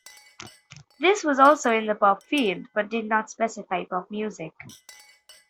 This was also in the pop field, but did not specify pop music.